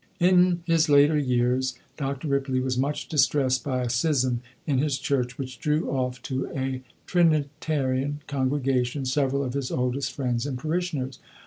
'" In his later years Dr. Ripley was much distressed by a schism in his church, which drew off to a Trinitarian congregation several of his oldest friends and parishioners.